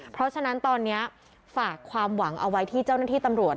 เพราะฉะนั้นตอนนี้ฝากความหวังเอาไว้ที่เจ้าหน้าที่ตำรวจ